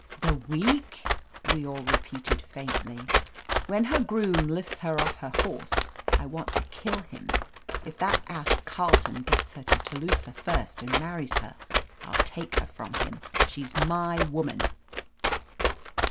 "The week I" we all repeated faintly. 330 OF LETITIA CARBERRY "When her groom lifts her off her horse, I « want to kill him. If that ass Carleton gets her to Telusah first and marries her, I'll take her from him. She's my woman."